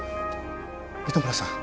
糸村さん。